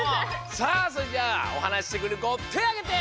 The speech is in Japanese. さあそれじゃあおはなししてくれるこてあげて！